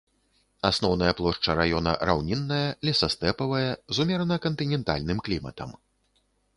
Асноўная плошча раёна раўнінная, лесастэпавая, з умерана кантынентальным кліматам.